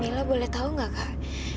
mila boleh tahu nggak kak